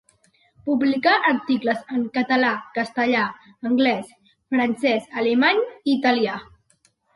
Publicà articles en català, castellà, anglès, francès, alemany i italià.